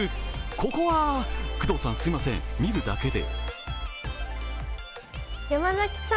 ここは工藤さん、すみません、見るだけで。